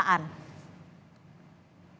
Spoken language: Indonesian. ya mungkin itu ada beberapa hal